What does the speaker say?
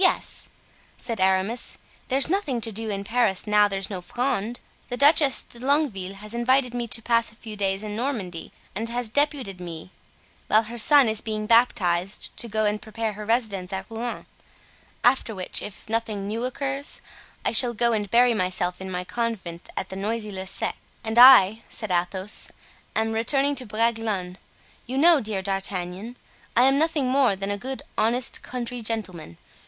yes," said Aramis. "There's nothing to do in Paris now there's no Fronde. The Duchess de Longueville has invited me to pass a few days in Normandy, and has deputed me, while her son is being baptized, to go and prepare her residence at Rouen; after which, if nothing new occurs, I shall go and bury myself in my convent at Noisy le Sec." "And I," said Athos, "am returning to Bragelonne. You know, dear D'Artagnan, I am nothing more than a good honest country gentleman.